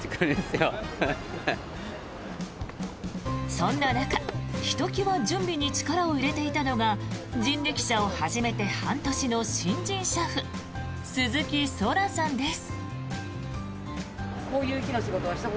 そんな中、ひときわ準備に力を入れていたのが人力車を始めて半年の新人車夫鈴木空さんです。